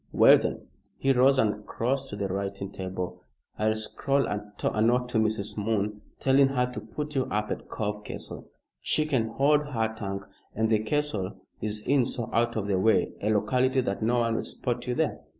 "Well, then" he rose and crossed to the writing table "I'll scrawl a note to Mrs. Moon telling her to put you up at Cove Castle. She can hold her tongue, and the castle is in so out of the way a locality that no one will spot you there.